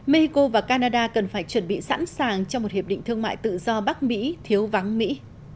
mexico và canada cần phải chuẩn bị sẵn sàng cho một hiệp định thương mại tự do bắc mỹ thiếu vắng mỹ